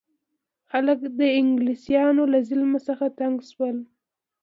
خلک د انګلیسانو له ظلم څخه تنګ شول.